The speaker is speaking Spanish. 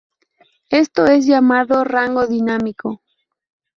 Esto es llamado rango dinámico.